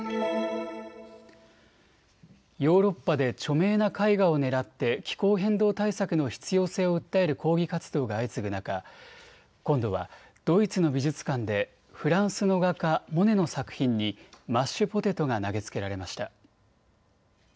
ヨーロッパで著名な絵画を狙って気候変動対策の必要性を訴える抗議活動が相次ぐ中、今度はドイツの美術館でフランスの画家、モネの作品にマッシュポテトが投げつけられました。